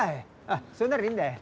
あっそれならいいんだ。